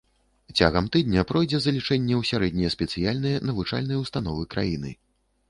Цягам тыдня пройдзе залічэнне ў сярэднія спецыяльныя навучальныя ўстановы краіны.